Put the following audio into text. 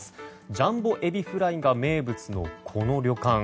ジャンボエビフライが名物のこの旅館。